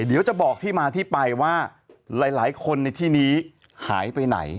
เดี๋ยวจะบอกที่มาที่ไปว่าหลายคนในที่นี้หายไปไหน